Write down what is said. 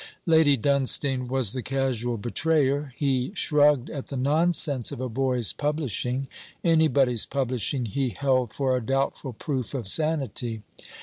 Lady Dunstane was the casual betrayer. He shrugged at the nonsense of a boy's publishing; anybody's publishing he held for a doubtful proof of sanity.